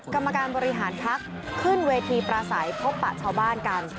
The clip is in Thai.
กรรมการบริหารพักขึ้นเวทีประสัยพบปะชาวบ้านกัน